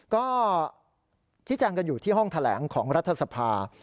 ก็ชี้แจงกันอยู่ที่ห้องแถลงของรัฐสภา